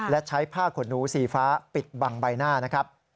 และใช้ผ้าขนหนูสีฟ้าปิดบังใบหน้านะครับ